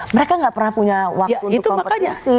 mereka nggak pernah punya waktu untuk kompetisi